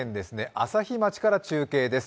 朝日町から中継です。